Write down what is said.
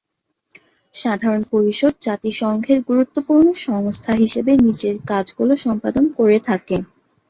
সাধারণ পরিষদ জাতিসংঘের গুরুত্বপূর্ণ সংস্থা হিসেবে নিচের কাজগুলো সম্পাদন করে থাকে।